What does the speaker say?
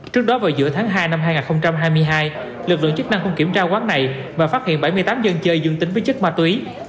trước đó vào giữa tháng hai năm hai nghìn hai mươi hai lực lượng chức năng cũng kiểm tra quán này và phát hiện bảy mươi tám dân chơi dương tính với chất ma túy